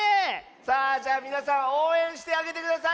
さあじゃあみなさんおうえんしてあげてください！